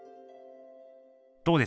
どうです？